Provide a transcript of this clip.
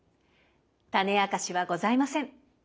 タネあかしはございません。